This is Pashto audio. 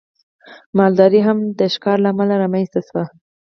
مالداري هم د ښکار له امله رامنځته شوه.